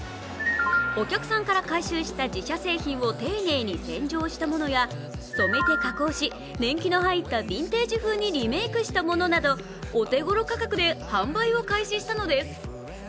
お客さんから回収した自社製品を丁寧に洗浄したものや染めて加工し年季の入ったビンテージ風にリメイクしたものなどお手ごろ価格で販売を開始したのです。